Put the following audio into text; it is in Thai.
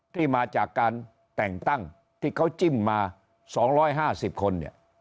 ที่มาจากการแต่งตั้งที่เขาจิ้มมา๒๕๐คนเนี่ย